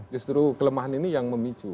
justru kelemahan ini yang memicu